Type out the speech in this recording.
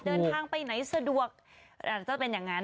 เดินทางไปไหนสะดวกอาจจะเป็นอย่างนั้น